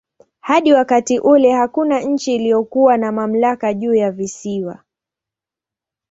Hadi wakati ule hakuna nchi iliyokuwa na mamlaka juu ya visiwa.